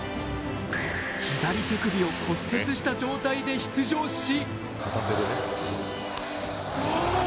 左手首を骨折した状態で出場し。